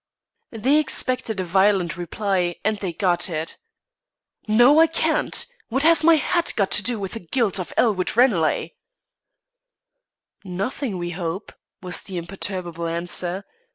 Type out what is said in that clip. They expected a violent reply, and they got it. "No, I can't. What has my hat got to do with the guilt of Elwood Ranelagh?" "Nothing, we hope," was the imperturbable answer.